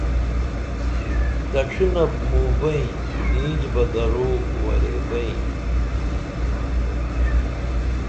دڇھینپ موں بئیں اینچ بہ درو ورے بئیں